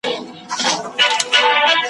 نه په ښکار سوای د هوسیانو خوځېدلای ,